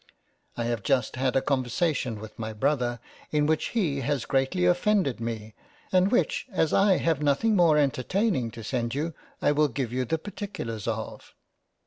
I have just had a conversation with my Brother in which he has greatly offended me, and which as I have nothing more entertaining to send you I will gave you the particulars of.